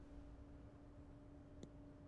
د زلزلزلې په مقابل کې باید خلک تیاری ونیسئ.